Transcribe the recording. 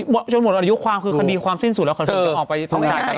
ทุกคนหมดอายุความคือคดีความสิ้นสูงแล้วความสิ้นสูงออกไป